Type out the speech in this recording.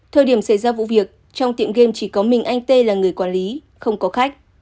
thời điểm xảy ra vụ việc trong tiệm game chỉ có mình anh tê là người quản lý không có khách